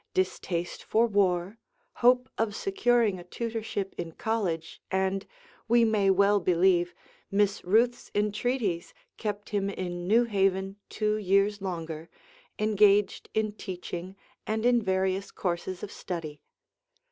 Distaste for war, hope of securing a tutorship in college, and we may well believe Miss Ruth's entreaties, kept him in New Haven two years longer, engaged in teaching and in various courses of study.